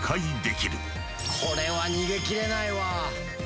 これは逃げ切れないわ。